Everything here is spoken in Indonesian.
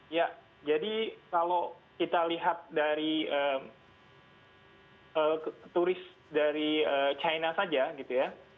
ya jadi kalau kita lihat dari turis dari china saja gitu ya